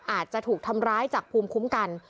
อาจจะถูกทำร้ายจากภูมิคุ้มกัน